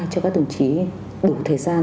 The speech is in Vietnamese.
cho các đồng chí đủ thời gian